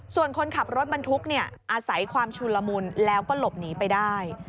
ส่วนคนขับรถบรรทุกอาศัยความชุนละมุนแล้วก็หลบหนีไปได้